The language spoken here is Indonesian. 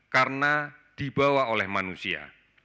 karena dibawa oleh manusia